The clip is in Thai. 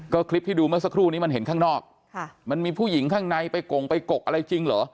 ก็คลิปที่ดูเมื่อสักครู่นี้มันเห็นข้างนอกมันมีผู้หญิงข้างในไปกงไปกกอะไรจริงเหรอ